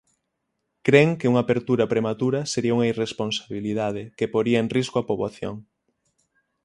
Cren que unha apertura prematura sería unha irresponsabilidade, que poría en risco a poboación.